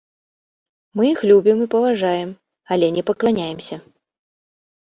Мы іх любім і паважаем, але не пакланяемся.